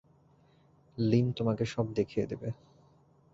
লীম তোমাকে সব দেখিয়ে দেবে।